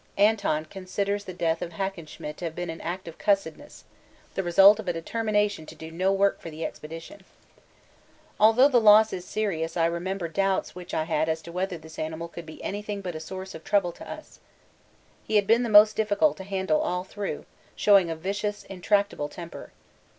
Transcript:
Anton considers the death of Hackenschmidt to have been an act of 'cussedness' the result of a determination to do no work for the Expedition!! Although the loss is serious I remember doubts which I had as to whether this animal could be anything but a source of trouble to us. He had been most difficult to handle all through, showing a vicious, intractable temper.